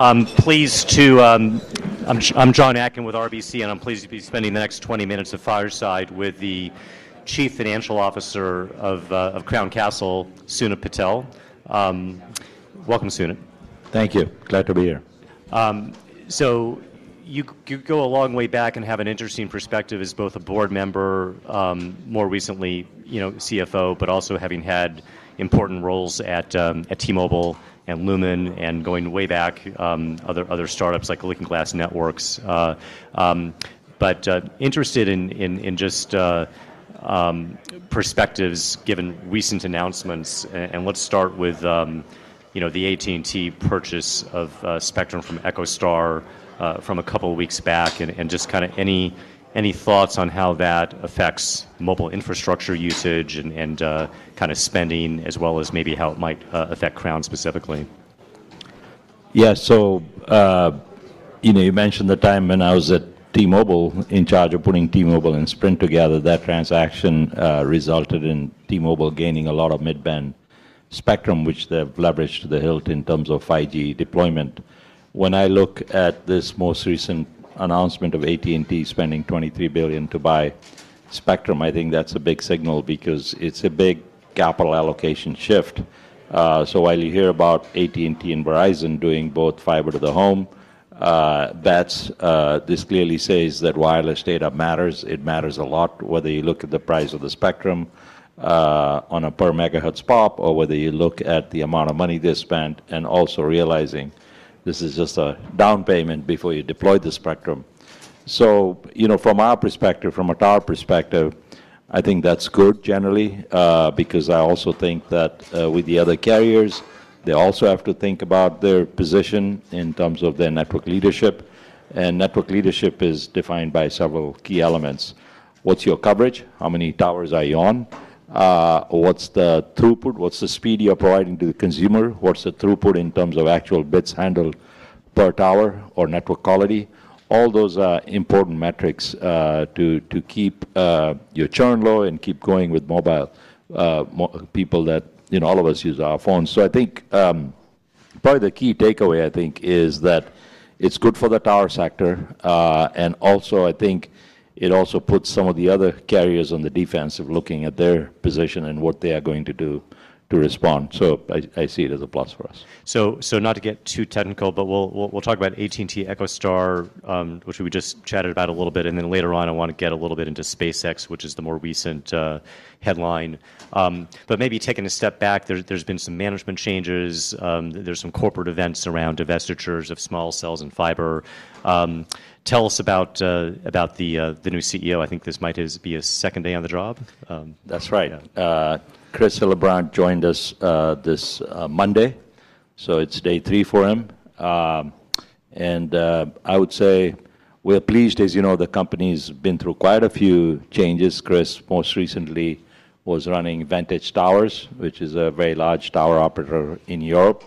I'm John Akin with RBC, and I'm pleased to be spending the next 20 minutes at fireside with the Chief Financial Officer of Crown Castle, Sunit Patel. Welcome, Sunit. Thank you. Glad to be here. You go a long way back and have an interesting perspective as both a Board Member, more recently CFO, but also having had important roles at T-Mobile and Lumen and going way back, other startups like Lincoln Glass Networks. I am interested in just perspectives given recent announcements. Let's start with the AT&T purchase of spectrum from EchoStar from a couple of weeks back. Any thoughts on how that affects mobile infrastructure usage and spending, as well as maybe how it might affect Crown Castle specifically? Yeah. You mentioned the time when I was at T-Mobile in charge of putting T-Mobile and Sprint together. That transaction resulted in T-Mobile gaining a lot of mid-band spectrum, which they've leveraged to the hilt in terms of 5G deployment. When I look at this most recent announcement of AT&T spending $23 billion to buy spectrum, I think that's a big signal because it's a big capital allocation shift. While you hear about AT&T and Verizon doing both fiber to the home bets, this clearly says that wireless data matters. It matters a lot, whether you look at the price of the spectrum on a per megahertz pop, or whether you look at the amount of money they're spent and also realizing this is just a down payment before you deploy the spectrum. From our perspective, from a tower perspective, I think that's good generally, because I also think that with the other carriers, they also have to think about their position in terms of their network leadership. Network leadership is defined by several key elements. What's your coverage? How many towers are you on? What's the throughput? What's the speed you're providing to the consumer? What's the throughput in terms of actual bits handled per tower or network quality? All those are important metrics to keep your churn low and keep going with mobile people that, you know, all of us use our phones. I think probably the key takeaway is that it's good for the tower sector. I also think it puts some of the other carriers on the defensive looking at their position and what they are going to do to respond. I see it as a plus for us. Not to get too technical, but we'll talk about AT&T, EchoStar, which we just chatted about a little bit. Later on, I want to get a little bit into SpaceX, which is the more recent headline. Maybe taking a step back, there's been some management changes. There's some corporate events around divestitures of small cells and fiber. Tell us about the new CEO. I think this might be his second day on the job. That's right. Chris LeBrun joined us this Monday. It's day three for him. I would say we're pleased. As you know, the company's been through quite a few changes. Chris most recently was running Vantage Towers, which is a very large tower operator in Europe.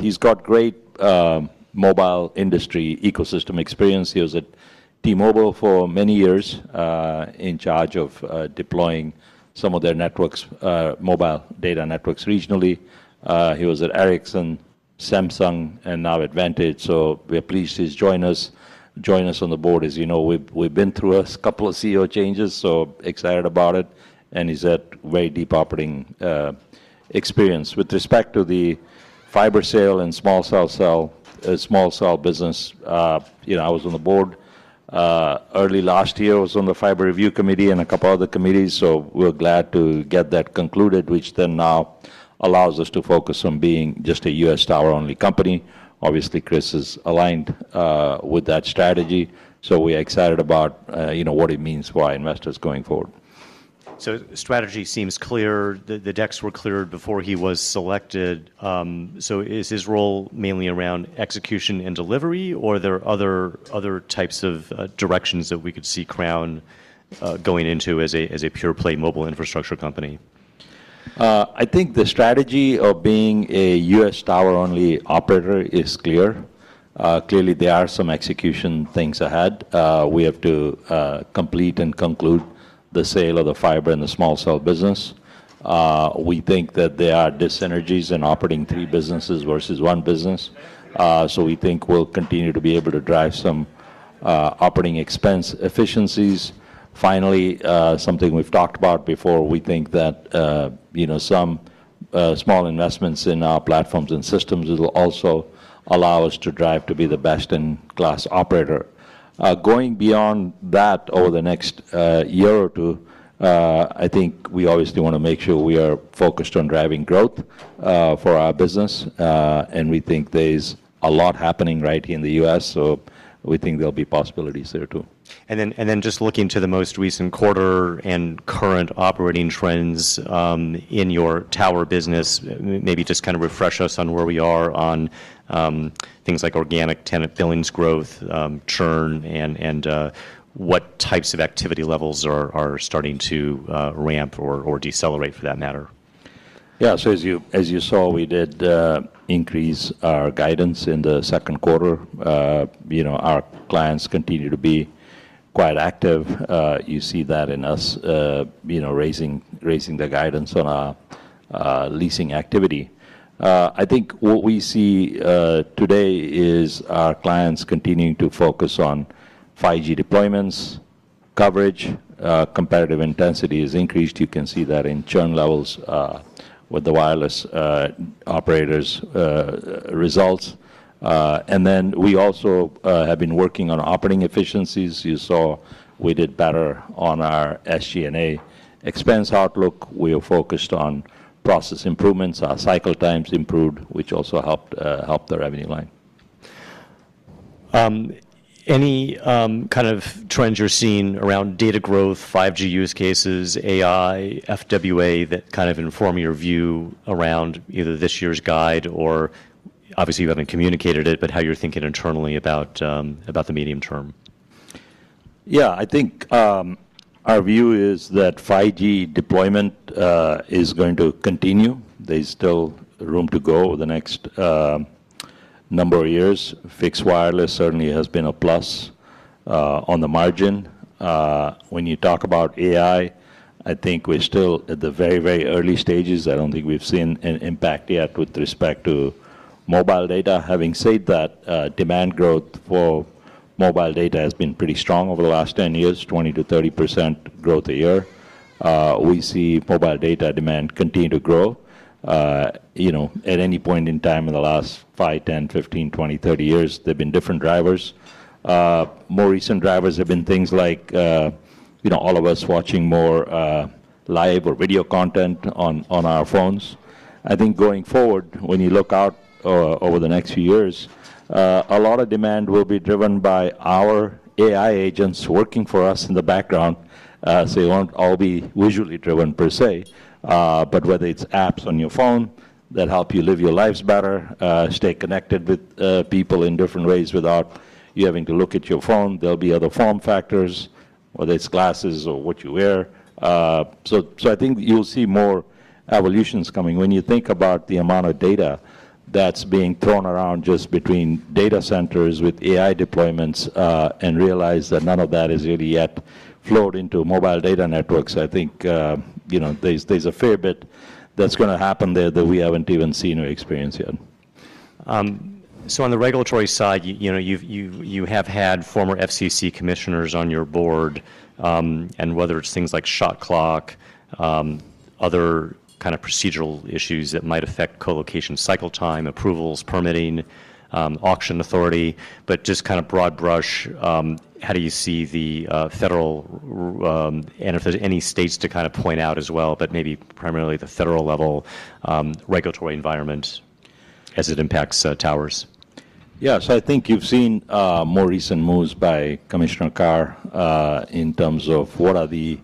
He's got great mobile industry ecosystem experience. He was at T-Mobile for many years in charge of deploying some of their networks, mobile data networks regionally. He was at Ericsson, Samsung, and now at Vantage. We're pleased he's joining us on the board. As you know, we've been through a couple of CEO changes, excited about it. He's had very deep operating experience. With respect to the fiber sale and small cell business, I was on the board early last year. I was on the Fiber Review Committee and a couple of other committees. We're glad to get that concluded, which now allows us to focus on being just a U.S. tower-only company. Obviously, Chris is aligned with that strategy. We are excited about what it means for our investors going forward. Strategy seems clear. The decks were cleared before he was selected. Is his role mainly around execution and delivery, or are there other types of directions that we could see Crown Castle going into as a pure-play mobile infrastructure company? I think the strategy of being a U.S. tower-only operator is clear. Clearly, there are some execution things ahead. We have to complete and conclude the sale of the fiber and the small cell business. We think that there are dis-synergies in operating three businesses versus one business. We think we'll continue to be able to drive some operating expense efficiencies. Finally, something we've talked about before, we think that some small investments in our platforms and systems will also allow us to drive to be the best-in-class operator. Going beyond that over the next year or two, I think we obviously want to make sure we are focused on driving growth for our business. We think there's a lot happening right here in the U.S. We think there'll be possibilities there too. Looking to the most recent quarter and current operating trends in your tower business, maybe just kind of refresh us on where we are on things like organic tenant billings growth, churn, and what types of activity levels are starting to ramp or decelerate, for that matter. As you saw, we did increase our guidance in the second quarter. Our clients continue to be quite active. You see that in us raising the guidance on our leasing activity. What we see today is our clients continuing to focus on 5G deployments, coverage, comparative intensity has increased. You can see that in churn levels with the wireless operators' results. We also have been working on operating efficiencies. You saw we did better on our SG&A expense outlook. We are focused on process improvements. Our cycle times improved, which also helped the revenue line. Any kind of trends you're seeing around data growth, 5G use cases, AI, FWA that kind of inform your view around either this year's guide or obviously you haven't communicated it, but how you're thinking internally about the medium term? Yeah, I think our view is that 5G deployment is going to continue. There's still room to go over the next number of years. Fixed wireless certainly has been a plus on the margin. When you talk about AI, I think we're still at the very, very early stages. I don't think we've seen an impact yet with respect to mobile data. Having said that, demand growth for mobile data has been pretty strong over the last 10 years, 20% to 30% growth a year. We see mobile data demand continue to grow. At any point in time in the last 5, 10, 15, 20, 30 years, there have been different drivers. More recent drivers have been things like all of us watching more live or video content on our phones. I think going forward, when you look out over the next few years, a lot of demand will be driven by our AI agents working for us in the background. It won't all be visually driven per se. Whether it's apps on your phone that help you live your lives better, stay connected with people in different ways without you having to look at your phone, there'll be other form factors, whether it's glasses or what you wear. I think you'll see more evolutions coming. When you think about the amount of data that's being thrown around just between data centers with AI deployments and realize that none of that has really yet flowed into mobile data networks, I think there's a fair bit that's going to happen there that we haven't even seen or experienced yet. On the regulatory side, you have had former FCC commissioners on your board, and whether it's things like shot clock, other kind of procedural issues that might affect colocation cycle time, approvals, permitting, auction authority, just kind of broad brush, how do you see the federal, and if there's any states to kind of point out as well, but maybe primarily the federal level regulatory environment as it impacts towers? Yeah, I think you've seen more recent moves by Commissioner Carr in terms of what are the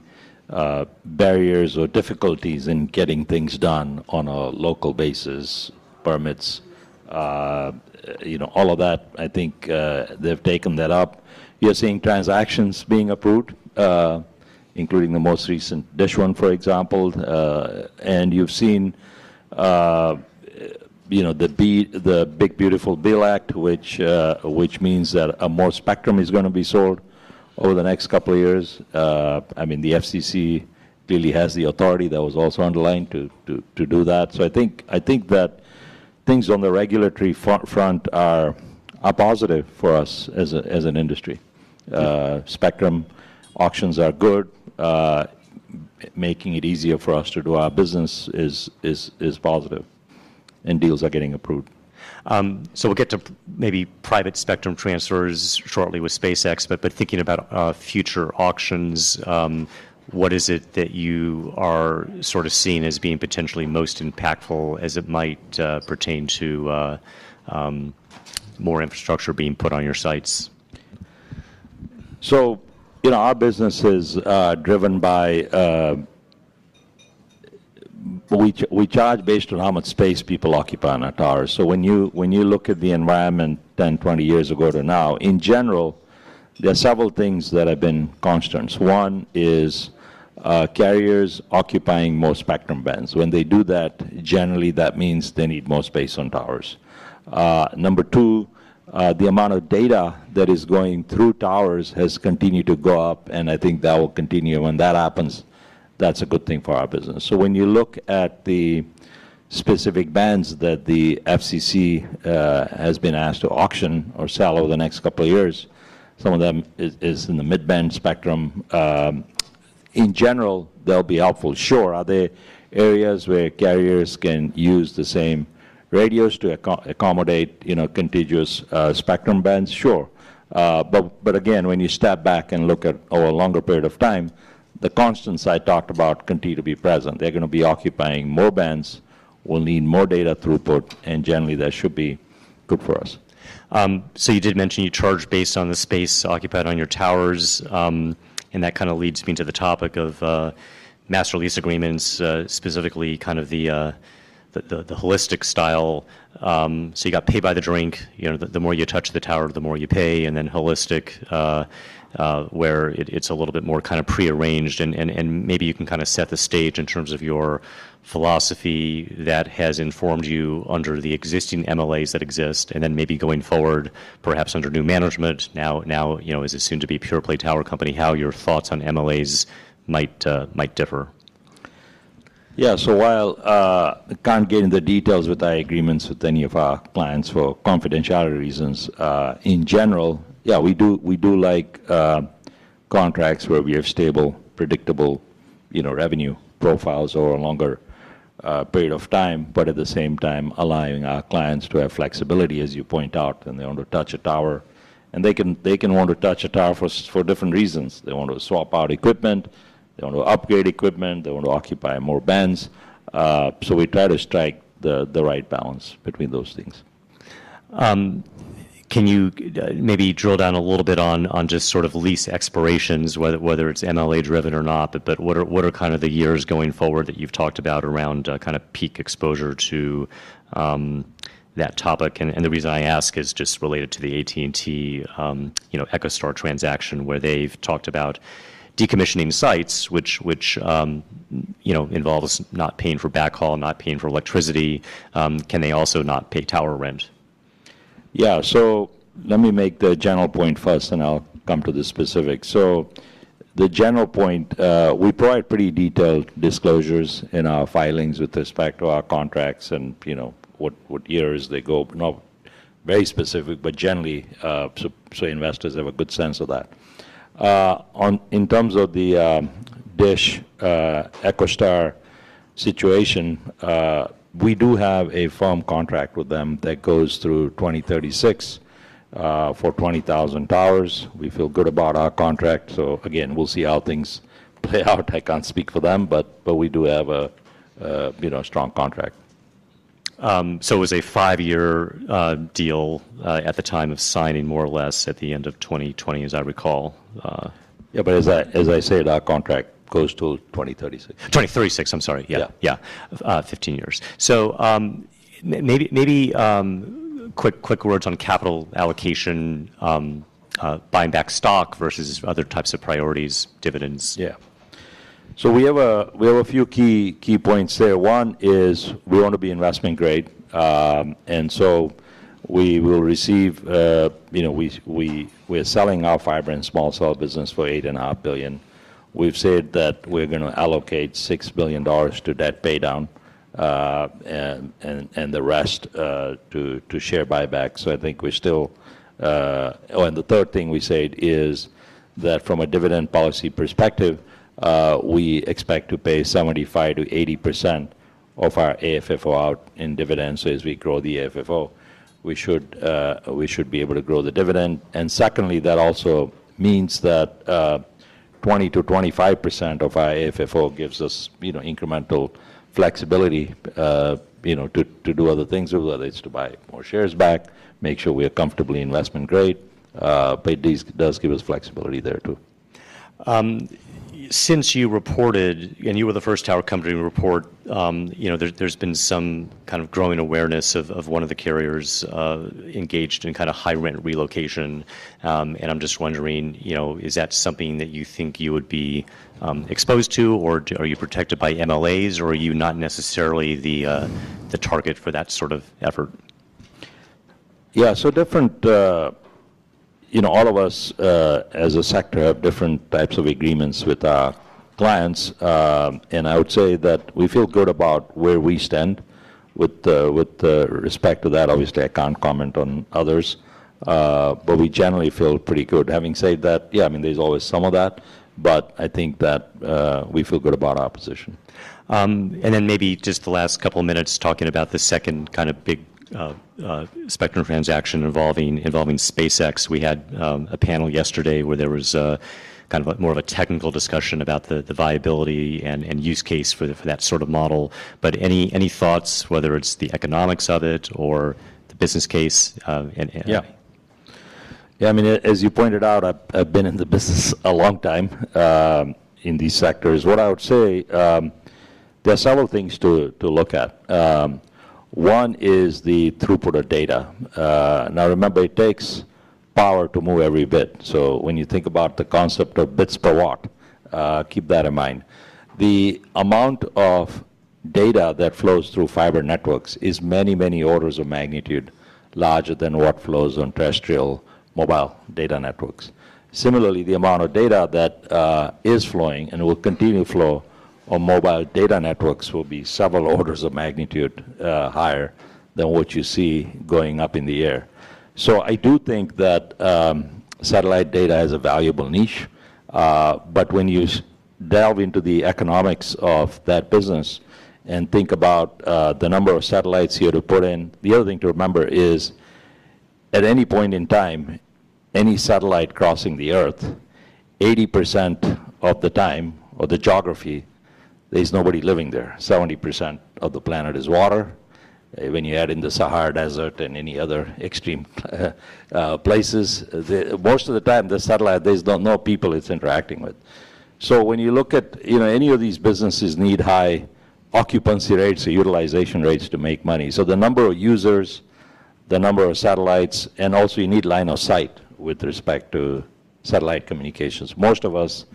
barriers or difficulties in getting things done on a local basis, permits, all of that. I think they've taken that up. You're seeing transactions being approved, including the most recent DISH Network one, for example. You've seen the big, beautiful BILAC, which means that more spectrum is going to be sold over the next couple of years. The FCC clearly has the authority that was also underlined to do that. I think that things on the regulatory front are positive for us as an industry. Spectrum auctions are good, making it easier for us to do our business is positive, and deals are getting approved. We'll get to maybe private spectrum transfers shortly with SpaceX, but thinking about future auctions, what is it that you are sort of seeing as being potentially most impactful as it might pertain to more infrastructure being put on your sites? Our business is driven by, we charge based on how much space people occupy on a tower. When you look at the environment 10, 20 years ago to now, in general, there are several things that have been constants. One is carriers occupying more spectrum bands. When they do that, generally, that means they need more space on towers. Number two, the amount of data that is going through towers has continued to go up, and I think that will continue. When that happens, that's a good thing for our business. When you look at the specific bands that the FCC has been asked to auction or sell over the next couple of years, some of them are in the mid-band spectrum. In general, they'll be helpful. Are there areas where carriers can use the same radios to accommodate, you know, contiguous spectrum bands? Sure. Again, when you step back and look at over a longer period of time, the constants I talked about continue to be present. They're going to be occupying more bands, will need more data throughput, and generally, that should be good for us. You did mention you charge based on the space occupied on your towers, and that kind of leads me to the topic of master lease agreements, specifically kind of the holistic style. You got pay by the drink, you know, the more you touch the tower, the more you pay, and then holistic, where it's a little bit more kind of pre-arranged. Maybe you can set the stage in terms of your philosophy that has informed you under the existing MLAs that exist, and then maybe going forward, perhaps under new management, now, you know, as it's soon to be pure play tower company, how your thoughts on MLAs might differ. Yeah, while I can't get into the details with our agreements with any of our clients for confidentiality reasons, in general, we do like contracts where we have stable, predictable revenue profiles over a longer period of time. At the same time, allowing our clients to have flexibility, as you point out, they want to touch a tower, and they can want to touch a tower for different reasons. They want to swap out equipment, they want to upgrade equipment, they want to occupy more bands. We try to strike the right balance between those things. Can you maybe drill down a little bit on just sort of lease expirations, whether it's MLA driven or not? What are kind of the years going forward that you've talked about around kind of peak exposure to that topic? The reason I ask is just related to the AT&T, you know, EchoStar transaction, where they've talked about decommissioning sites, which, you know, involves not paying for backhaul, not paying for electricity. Can they also not pay tower rent? Let me make the general point first, and I'll come to the specifics. The general point is we provide pretty detailed disclosures in our filings with respect to our contracts and, you know, what years they go. Not very specific, but generally, investors have a good sense of that. In terms of the DISH Network EchoStar situation, we do have a firm contract with them that goes through 2036 for 20,000 towers. We feel good about our contract. We'll see how things play out. I can't speak for them, but we do have a strong contract. It was a five-year deal at the time of signing, more or less at the end of 2020, as I recall. As I said, our contract goes till 2036. 2036, I'm sorry. Yeah, yeah, 15 years. Maybe quick words on capital allocation, buying back stock versus other types of priorities, dividends. Yeah. We have a few key points there. One is we want to be investment grade. We are selling our fiber and small cell business for $8.5 billion. We've said that we're going to allocate $6 billion to debt paydown and the rest to share buybacks. I think we're still, and the third thing we said is that from a dividend policy perspective, we expect to pay 75% to 80% of our AFFO out in dividends. As we grow the AFFO, we should be able to grow the dividend. Secondly, that also means that 20% to 25% of our AFFO gives us incremental flexibility to do other things, whether it's to buy more shares back or make sure we are comfortably investment grade. It does give us flexibility there too. Since you reported, and you were the first tower company to report, there's been some kind of growing awareness of one of the carriers engaged in kind of high rent relocation. I'm just wondering, is that something that you think you would be exposed to, or are you protected by MLAs, or are you not necessarily the target for that sort of effort? Yeah, so different, you know, all of us as a sector have different types of agreements with our clients. I would say that we feel good about where we stand with respect to that. Obviously, I can't comment on others, but we generally feel pretty good. Having said that, yeah, I mean, there's always some of that. I think that we feel good about our position. Maybe just the last couple of minutes talking about the second kind of big spectrum transaction involving SpaceX. We had a panel yesterday where there was kind of more of a technical discussion about the viability and use case for that sort of model. Any thoughts, whether it's the economics of it or the business case? Yeah. Yeah, I mean, as you pointed out, I've been in the business a long time in these sectors. What I would say, there are several things to look at. One is the throughput of data. Now remember, it takes power to move every bit. When you think about the concept of bits per watt, keep that in mind. The amount of data that flows through fiber networks is many, many orders of magnitude larger than what flows on terrestrial mobile data networks. Similarly, the amount of data that is flowing and will continue to flow on mobile data networks will be several orders of magnitude higher than what you see going up in the air. I do think that satellite data is a valuable niche. When you delve into the economics of that business and think about the number of satellites you have to put in, the other thing to remember is at any point in time, any satellite crossing the Earth, 80% of the time of the geography, there's nobody living there. 70% of the planet is water. When you add in the Sahara Desert and any other extreme places, most of the time, the satellite, there's no people it's interacting with. When you look at, you know, any of these businesses need high occupancy rates or utilization rates to make money. The number of users, the number of satellites, and also you need line of sight with respect to satellite communications. Most of us,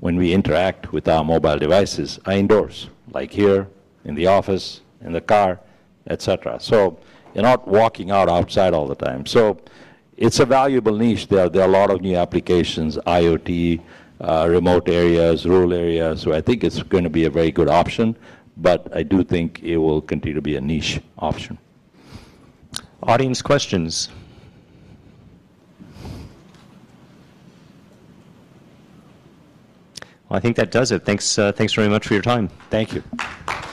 when we interact with our mobile devices, are indoors, like here, in the office, in the car, etc. You're not walking out outside all the time. It's a valuable niche. There are a lot of new applications, IoT, remote areas, rural areas. I think it's going to be a very good option, but I do think it will continue to be a niche option. Audience questions? I think that does it. Thanks very much for your time. Thank you.